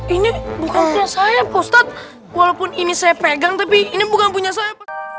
ini bukan punya saya ustadz walaupun ini saya pegang tapi ini bukan punya saya